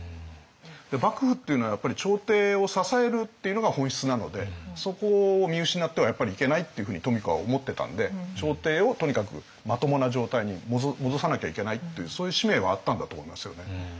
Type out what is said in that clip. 幕府っていうのはやっぱり朝廷を支えるっていうのが本質なのでそこを見失ってはやっぱりいけないっていうふうに富子は思ってたんで朝廷をとにかくまともな状態に戻さなきゃいけないっていうそういう使命はあったんだと思いますよね。